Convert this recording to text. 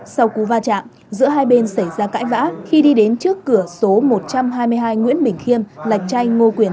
sau cú va chạm giữa hai bên xảy ra cãi vã khi đi đến trước cửa số một trăm hai mươi hai nguyễn bình khiêm lạch chay ngô quyền